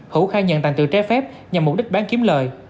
hữu khai nhận tành tựu tré phép nhằm mục đích bán kiếm lợi